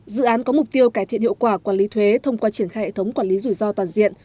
dự án có mục tiêu cải thiện hiệu quả quản lý thuế thông qua triển khai hệ thống quản lý rủi ro toàn diện